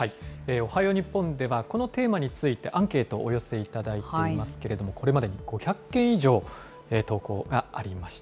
おはよう日本では、このテーマについてアンケートをお寄せいただいていますけれども、これまでに５００件以上、投稿がありました。